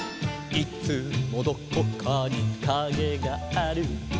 「いつもどこかにカゲがある」